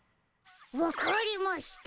わかりました。